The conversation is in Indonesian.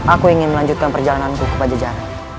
aku ingin melanjutkan perjalananku kepada jalan